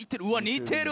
似てる。